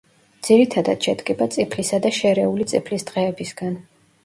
ძირითადად შედგება წიფლისა და შერეული წიფლის ტყეებისგან.